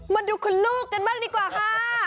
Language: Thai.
มาดูคุณลูกกันบ้างดีกว่าค่ะ